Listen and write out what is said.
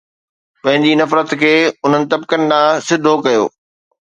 پنهنجي نفرت کي انهن طبقن ڏانهن سڌو ڪيو